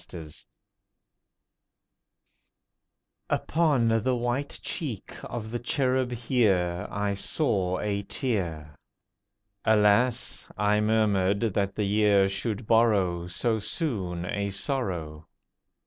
GUERDON Upon the white cheek of the Cherub Year I saw a tear. Alas! I murmured, that the Year should borrow So soon a sorrow.